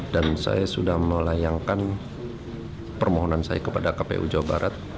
dan saya sudah melayangkan permohonan saya kepada kpu jawa barat